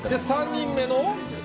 ３人目の？